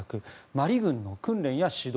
マリ軍の訓練や指導